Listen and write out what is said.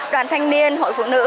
đoàn thanh niên hội phụ nữ